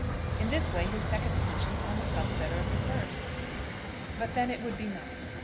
In this way his second conscience almost got the better of the first. But then it would be known.